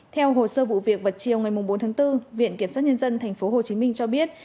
theo hồ sơ vụ việc vào chiều ngày bốn tháng bốn viện kiểm soát nhân dân tp hồ chí minh cho biết